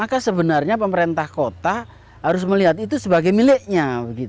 maka sebenarnya pemerintah kota harus melihat itu sebagai miliknya